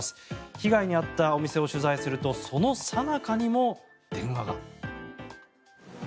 被害に遭ったお店を取材するとそのさなかにも電話が。